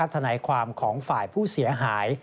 ทนายความของฝ่ายผู้เสียหาย